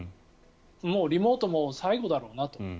もうリモートも最後だろうなと。